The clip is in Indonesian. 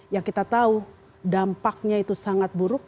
yang kita tahu dampaknya itu sangat buruk